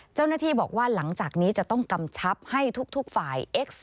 เจ้าหน้าที่บอกว่าหลังจากนี้จะต้องกำชับให้ทุกฝ่ายเอ็กซ์